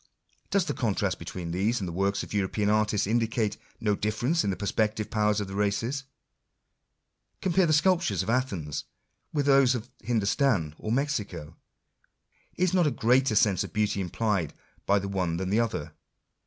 Does the contrast between these and the works of European artists indicate no difference in the perceptive powers of the races ? Compare the sculptures of Athens with those of Hindostan or Mexico. Is not a greater sense of beauty implied by the one than the others